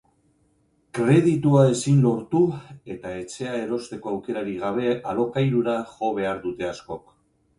Kreditua ezin lortu eta etxea erosteko aukerarik gabe alokairura jo behar dute askok.